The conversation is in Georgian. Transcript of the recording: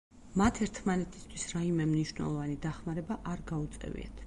მათ ერთმანეთისათვის რაიმე მნიშვნელოვანი დახმარება არ გაუწევიათ.